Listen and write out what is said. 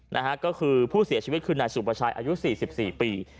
นะฮะก็คือผู้เสียชีวิตคือหนัยสุปไวร์ชายอายุ๔๔ปี